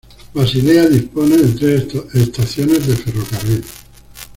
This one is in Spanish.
Basilea dispone de tres estaciones de ferrocarril.